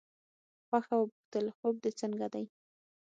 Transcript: خوښه وپوښتل خوب دې څنګه دی.